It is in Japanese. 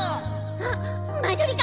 あっマジョリカ！